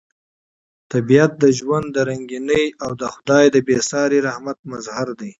طبیعت د ژوند د رنګینۍ او د خدای د بې ساري رحمت مظهر دی.